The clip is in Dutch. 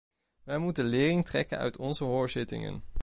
Wij moeten lering trekken uit onze hoorzittingen.